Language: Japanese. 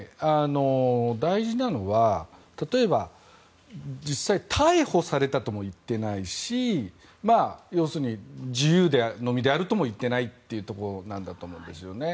大事なのは例えば、実際逮捕されたとも言ってないし要するに自由の身であるとも言っていないところだと思います。